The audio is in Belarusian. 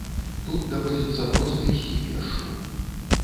Тут даводзіцца проста ісці пешшу.